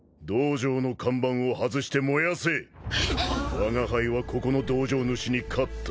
わが輩はここの道場主に勝った。